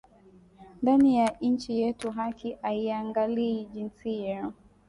Ndani ya inchi yetu haki aiangalii jinsia